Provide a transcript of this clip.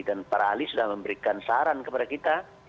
dan para ahli sudah memberikan saran kepada kita